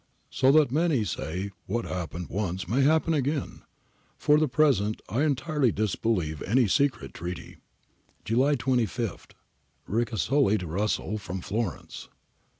So that many say what happened once may happen again. For the present I entirely disbelieve in any secret treaty.' July 25. Ricasoli to Russell. From Florence.